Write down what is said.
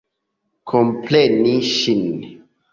Kompreni ŝin.